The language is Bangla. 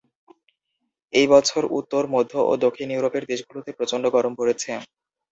এই বছর উত্তর, মধ্য ও দক্ষিণ ইউরোপের দেশগুলোতে প্রচণ্ড গরম পড়েছে।